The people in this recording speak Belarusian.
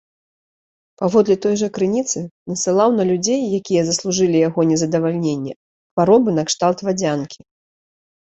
Паводле той жа крыніцы, насылаў на людзей, якія заслужылі яго незадавальненне, хваробы накшталт вадзянкі.